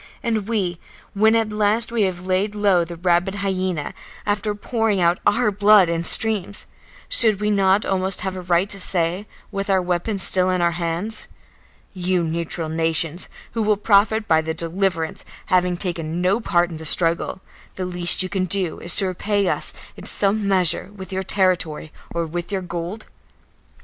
And we, when at last we have laid low the rabid hyena, after pouring out our blood in streams, should we not almost have a right to say, with our weapons still in our hands: "You neutral nations, who will profit by the deliverance, having taken no part in the struggle, the least you can do is to repay us in some measure with your territory or with your gold?"